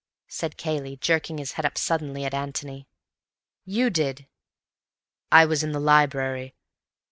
said Cayley, jerking his head up suddenly at Antony. "You did." "I was in the library.